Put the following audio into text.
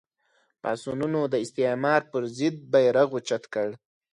پاڅونونو د استعمار پر ضد بېرغ اوچت کړ